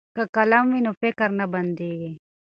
که قلم وي نو فکر نه بندیږي.